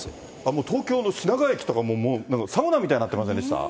もう東京の品川駅とか、サウナみたいになっていませんでしたか？